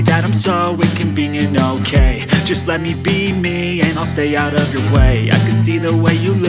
dan kenapa kau tak pernah bilang